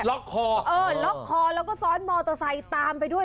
ล็อกคอเออล็อกคอแล้วก็ซ้อนมอเตอร์ไซค์ตามไปด้วย